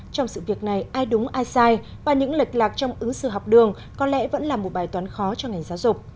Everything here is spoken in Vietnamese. trong sự việc này ai đúng ai sai và những lệch lạc trong ứng xử học đường có lẽ vẫn là một bài toán khó cho ngành giáo dục